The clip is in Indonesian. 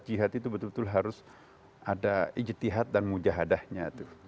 jihad itu betul betul harus ada ijitihad dan mujahadahnya